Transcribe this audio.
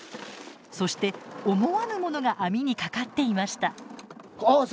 そして思わぬものが網にかかっていました。